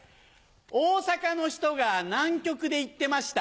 大阪の人が南極で言ってました。